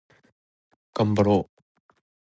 がんばろう